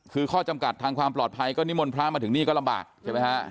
คือข้อจำกัดทางความปลอดภัยก็นิมนต์พระมาถึงนี่ก็ลำบากใช่ไหมฮะ